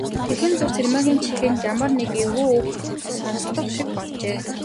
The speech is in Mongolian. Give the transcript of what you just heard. Тэрхэн зуур Цэрэгмаагийн чихэнд ямар нэг эвгүй үг сонстох шиг болжээ.